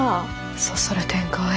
そそる展開。